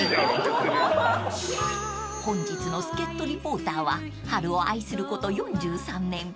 ［本日の助っ人リポーターは春を愛すること４３年］